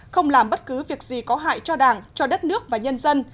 không làm bất cứ việc gì có hại cho đảng cho đất nước và nhân dân